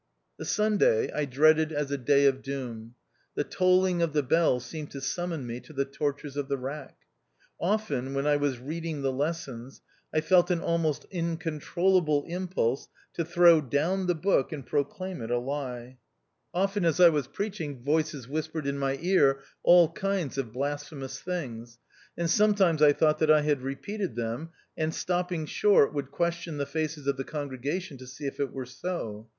The Sunday I dreaded as a day of doom. The tolling of the bell seemed to summon me to the tortures of the rack. Often, when I was reading the lessons, I felt an almost incontrollable impulse to throw down the Book, and proclaim it a lie. i2o THE OUTCAST. Often, as I was preaching, voices whispered in my ear all kinds of blasphemous things, and sometimes I thought that I had re peated them, and stopping short, would question the faces of the congregation to see if it were so.